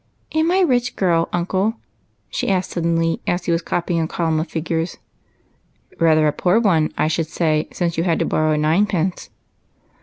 " Am I a rich girl^ uncle ?" she asked suddenly, as he was copying a column of figures. " Rather a poor one, I should say, since you had to borrow a ninepence."